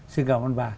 xin cảm ơn bà